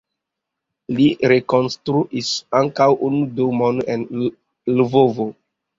Li rekonstruis ankaŭ unu domon en Lvovo.